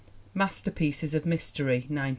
Masterpieces of Mystery, 1912.